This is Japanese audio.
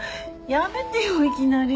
やめてよいきなり。